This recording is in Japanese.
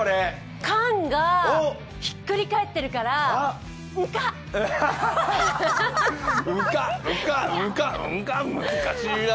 缶がひっくり返ってるから「んか」？